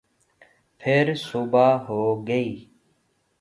پھر صبح ہوگئی